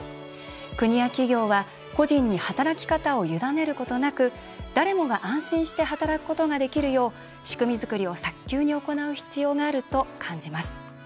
国や企業は個人に働き方を委ねることなく誰もが安心して働くことができるよう仕組み作りを早急に行う必要があると感じます。